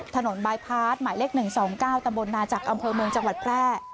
บายพาร์ทหมายเลข๑๒๙ตำบลนาจักรอำเภอเมืองจังหวัดแพร่